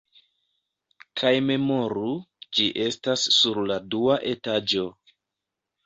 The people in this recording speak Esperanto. Kaj memoru, ĝi estas sur la dua etaĝo.